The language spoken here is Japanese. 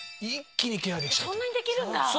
・そんなにできるんだ。